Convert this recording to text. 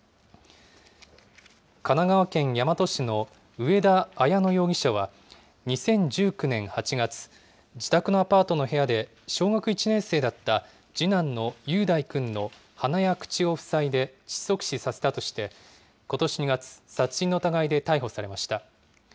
神奈川県大和市の上田綾乃容疑者は２０１９年８月、自宅のアパートの部屋で、小学１年生だった次男の雄大君の鼻や口を塞いで窒息死させたとして、ことし２月、殺人の疑いで逮捕されました。